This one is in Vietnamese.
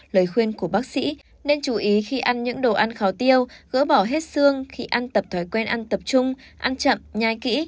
lời khuyên của bác sĩ nên chú ý khi ăn những đồ ăn khó tiêu gỡ bỏ hết xương khi ăn tập thói quen ăn tập trung ăn chậm nhai kỹ